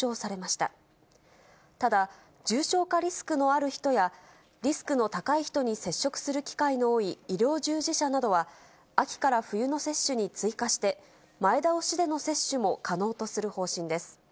ただ、重症化リスクのある人や、リスクの高い人に接触する機会の多い医療従事者などは、秋から冬の接種に追加して、前倒しでの接種も可能とする方針です。